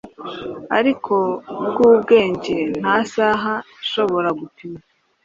ariko bwubwenge, nta saha ishobora gupima.